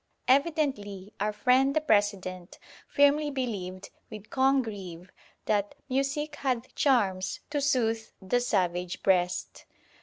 Evidently our friend the President firmly believed, with Congreve, that "Music hath charms to soothe the savage breast."